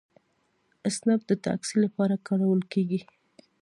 اسنپ د ټکسي لپاره کارول کیږي.